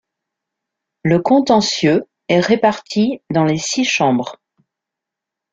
Le contentieux est réparti dans les six chambres.